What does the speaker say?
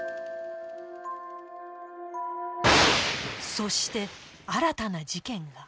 そして新たな事件が